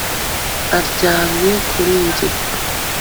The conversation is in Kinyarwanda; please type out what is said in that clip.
aryamye kuri njye